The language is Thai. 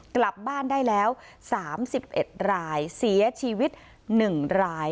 กลับบ้านได้แล้วสามสิบเอ็ดรายเสียชีวิตหนึ่งราย